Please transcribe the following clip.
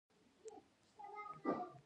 ایا زه باید جلغوزي وخورم؟